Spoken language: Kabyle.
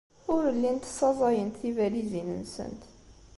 Ur llint ssaẓayent tibalizin-nsent.